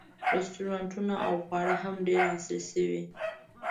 رسټورانټونه او خواړه هم ډېر عصري شوي.